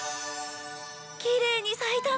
きれいに咲いたね！